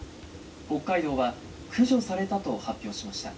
北海道は駆除されたと発表しました。